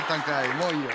もういいよ！」。